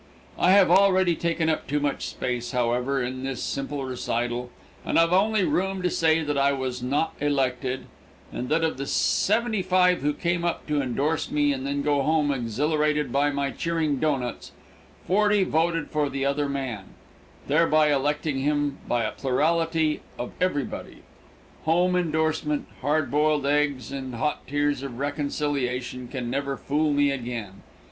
I have already taken up too much space, however, in this simple recital, and I have only room to say that I was not elected, and that of the seventy five who came up to indorse me and then go home exhilarated by my cheering doughnuts, forty voted for the other man, thereby electing him by a plurality of everybody. Home indorsement, hard boiled eggs and hot tears of reconciliation can never fool me again.